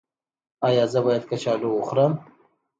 ایا زه باید کچالو وخورم؟